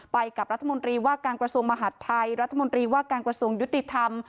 ไปกับรัฐมนตรีว่าการกระทรวงมหาดไทยรัฐมนตรีว่าการกระทรวงยุติธรรม